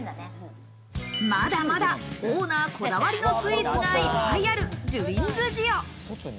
まだまだオーナーこだわりのスイーツがいっぱいあるジュリンズジオ。